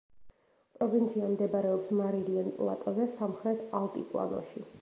პროვინცია მდებარეობს მარილიან პლატოზე, სამხრეთ ალტიპლანოში.